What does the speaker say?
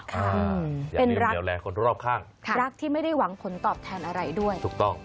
ค่ะเป็นรักที่ไม่ได้หวังผลตอบแทนอะไรด้วย